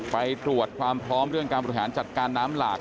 ไปตรวจความพร้อมเรื่องการบริหารจัดการน้ำหลาก